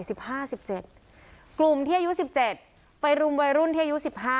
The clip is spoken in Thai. อายุเท่าไหร่๑๕๑๗กลุ่มที่อายุ๑๗ไปรุมวัยรุ่นที่อายุ๑๕